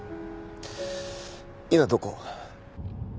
今どこ？